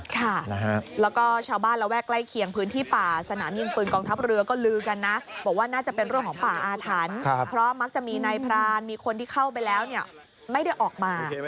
ค่ะแล้วก็ชาวบ้านระแวกใกล้เคียงพื้นที่ป่า